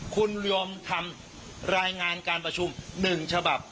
คุณยอมทำรายงานการประชุม๑ฉบับ